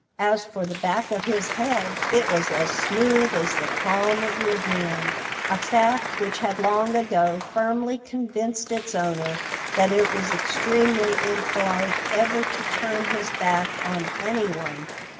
As for the back of his head, it was as smooth as the palm of your hand, a fact which had long ago firmly convinced its owner that it was extremely impolite ever to turn his back on anyone.